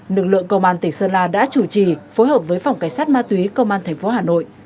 lực lượng công an tỉnh sơn la đã chủ trì phối hợp với phòng cảnh sát ma túy công an thành phố hà nội